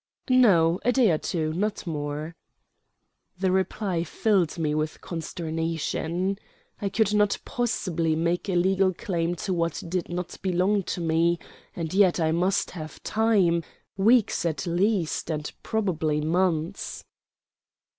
"No. A day or two not more." The reply filled me with consternation. I could not possibly make a legal claim to what did not belong to me; and yet I must have time weeks, at least, and probably months.